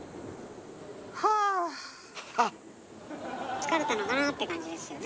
疲れたのかなって感じですよね。